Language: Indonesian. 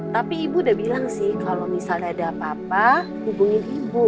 tapi ibu udah bilang sih kalau misalnya ada apa apa hubungin ibu